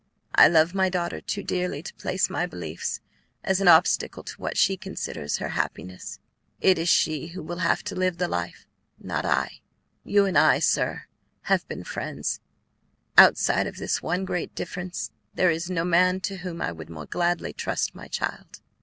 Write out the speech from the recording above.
I love my daughter too dearly to place my beliefs as an obstacle to what she considers her happiness; it is she who will have to live the life, not I. You and I, sir, have been friends; outside of this one great difference there is no man to whom I would more gladly trust my child.